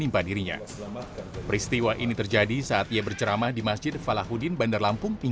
korban langsung dirawat di puskesmas gedong air bandar lampung